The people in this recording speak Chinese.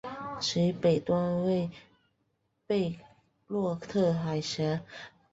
其北端为贝洛特海峡。